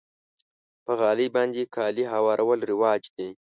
په غالۍ باندې کالي هوارول رواج دی.